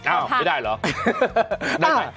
อ้าไม่ได้รอได้